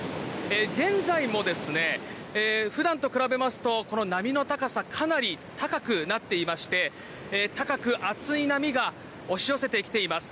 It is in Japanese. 現在も普段と比べますと波の高さかなり高くなっていまして高く厚い波が押し寄せてきています。